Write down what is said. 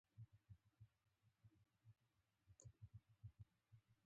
خوست يو ښکلی ولايت دی.